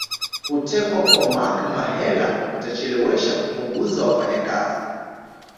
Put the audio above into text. Kutekwa kwa Mark Mahela kutachelewesha kupunguza wafanyakazi